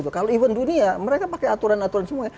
kalau event dunia mereka pakai aturan aturan semua ya